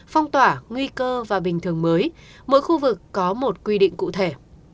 phong tỏa nguy cơ và bình thường mới mỗi khu vực có một quy định cụ thể